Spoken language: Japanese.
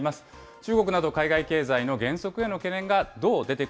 中国など、海外経済の減速への懸